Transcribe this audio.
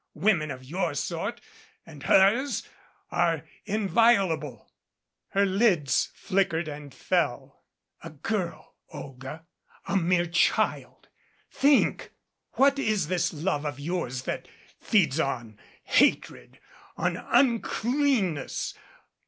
Women of your sort and hers are inviolable." Her lids flickered and fell. "A girl Olga, a mere child. Think! What is this love of yours that feeds on hatred on uncleanness